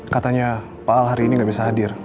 katanya pak al hari ini nggak bisa hadir